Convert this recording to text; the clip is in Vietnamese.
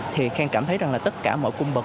thì khang cảm thấy rằng là tất cả mọi cung bậc